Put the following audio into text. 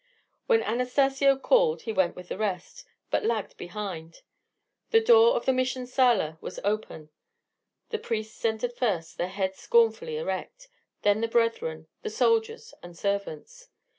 When Anastacio called, he went with the rest, but lagged behind. The door of the Mission sala was open. The priests entered first, their heads scornfully erect; then the brethren, the soldiers, and servants.